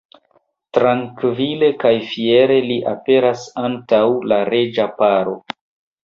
Trankvile kaj fiere li aperas antaŭ la reĝa paro.